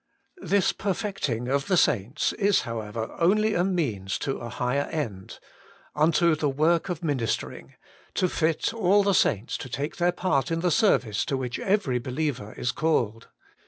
This perfecting of the saints is, however, only a means to a higher end : unto the zvork of ministering, to fit all the saints to take their part in the service to which every be 81 82 Working for God liever is called.